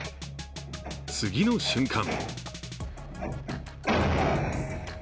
次の瞬間